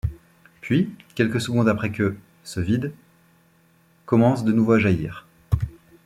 Puis, quelques secondes après que ' se vide, ' commence de nouveau à jaillir.